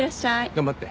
頑張って。